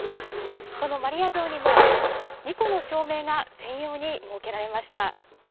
このマリア像にも、２個の照明が専用に設けられました。